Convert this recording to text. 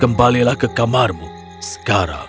kembalilah ke kamarmu sekarang